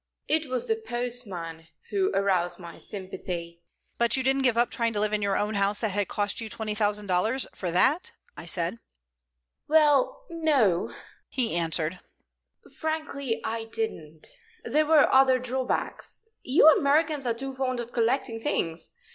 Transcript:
"It was the postman who aroused my sympathy." "But you didn't give up trying to live in your own house that had cost you $20,000 for that?" I said. [Illustration: "HE WAS ERECTING A GRAND STAND"] "Well, no," he answered. "Frankly, I didn't. There were other drawbacks. You Americans are too fond of collecting things.